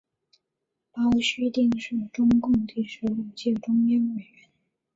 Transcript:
包叙定是中共第十五届中央委员。